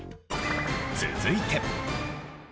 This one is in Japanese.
続いて。